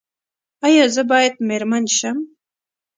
ایا زه باید میرمن شم؟